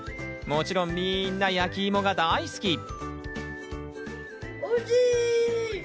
もちろん、みんな焼きいもが大好き。